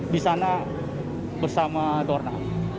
di sana bersama dorna